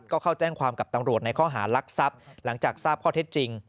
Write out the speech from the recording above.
ก็เข้าแจ้งความกับตำรวจในข้อหารักทรัพย์หลังจากทราบข้อเท็จจริง